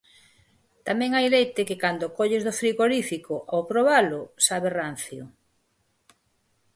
Tamén hai leite que cando o colles do frigorífico, ao probalo, sabe rancio.